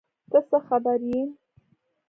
ته څه خبر یې ؟